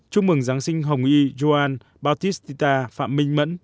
chúc mừng giáng sinh hồng y joan bautista phạm minh mẫn